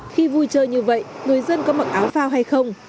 khi vui chơi như vậy người dân có mặc áo phao hay không